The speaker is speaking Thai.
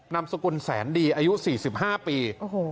นามสกุลแสนดีอายุ๔๕ปี